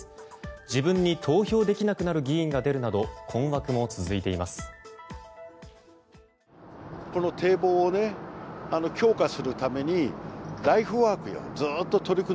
自分に投票できなくなる議員が出るなど困惑も続いています。